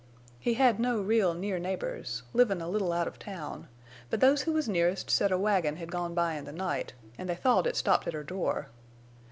He had no real near neighbors—livin' a little out of town—but those who was nearest said a wagon had gone by in the night, an' they thought it stopped at her door.